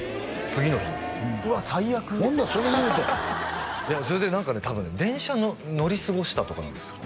次の日にうわ最悪それで何かね多分電車乗り過ごしたとかなんですよ